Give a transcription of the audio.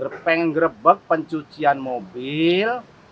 karena pengen ngerebek pencucian mobil